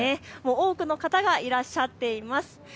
多くの方がいらっしゃっています。